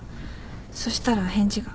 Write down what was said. そしたら返事が。